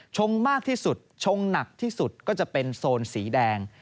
ชงมากที่สุดชงหนักที่สุดก็จะเป็นโซนสีแดง